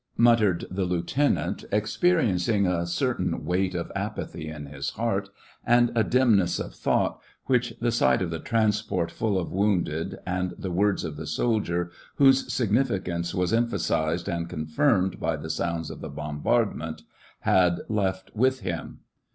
muttered the lieutenant, ex periencing a certain weight of apathy in his heart, and a dimness of thought, which the sight of the transport full of wounded and the words of the soldier, whose significance was emphasized and confirmed by the sounds of the bombardment, had left with him.